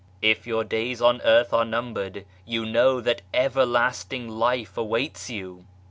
If your days on earth are numbered, you know that everlasting life awaits you.